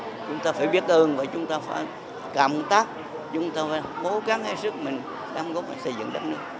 chúng ta phải biết ơn và chúng ta phải cảm tác chúng ta phải cố gắng hết sức mình để xây dựng đất nước